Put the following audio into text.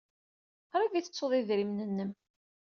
Qrib ay tettud idrimen-nnem.